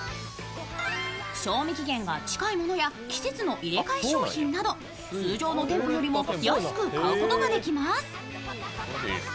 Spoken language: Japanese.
賞味期限が近いものや季節の入れ替え商品など、通常の店舗よりも安く買うことができます。